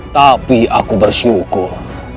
tapi aku bersyukur